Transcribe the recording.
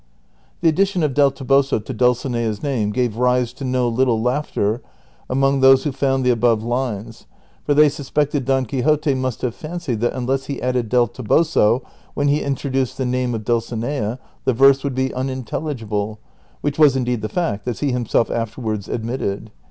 i The addition of " Del Toboso " to Dulcinea's name gave rise to no little laughter among those who found the above lines, for they suspected Don Quixote must have fancied that unless he added " del Toboso " when he introduced the name of Dulcinea the verse would be unintelligible : which was indeed the fact, as he himself afterwards admitted.